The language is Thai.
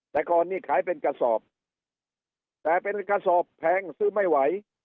แต่ก่อนนี้ขายเป็นกระสอบแต่เป็นกระสอบแพงซื้อไม่ไหว